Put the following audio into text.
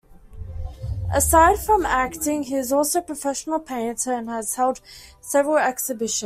Aside from acting he is also a professional painter and has held several exhibitions.